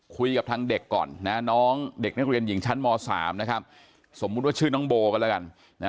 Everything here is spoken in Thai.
คุยกับทางเด็กก่อนนะน้องเด็กนักเรียนหญิงชั้นม๓นะครับสมมุติว่าชื่อน้องโบก็แล้วกัน